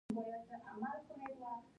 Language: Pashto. عصري تعلیم مهم دی ځکه چې د اوبو مدیریت ښيي.